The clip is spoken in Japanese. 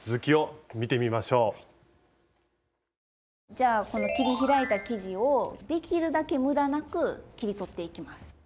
じゃあこの切り開いた生地をできるだけむだなく切り取っていきます。